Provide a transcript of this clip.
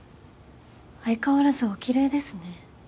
相変わらずお綺麗ですね。